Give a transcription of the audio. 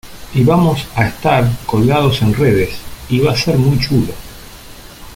y vamos a estar colgados en redes, y va a ser muy chulo.